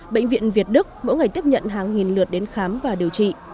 bệnh viện việt đức mỗi ngày tiếp nhận hàng nghìn lượt đến khám và điều trị